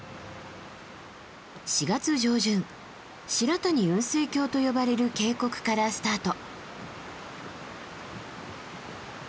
４月上旬白谷雲水峡と呼ばれる渓谷からスタート。